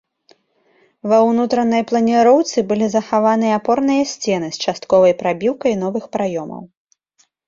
Ва унутранай планіроўцы былі захаваныя апорныя сцены з частковай прабіўкай новых праёмаў.